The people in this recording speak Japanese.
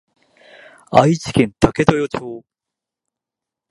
愛知県武豊町